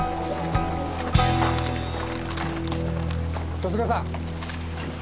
十津川さん。